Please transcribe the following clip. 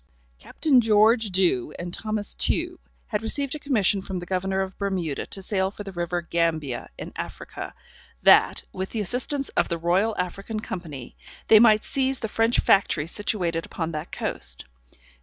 Captain George Dew, and Thomas Tew, had received a commission from the Governor of Bermuda to sail for the river Gambia, in Africa, that, with the assistance of the Royal African Company, they might seize the French Factory situated upon that coast.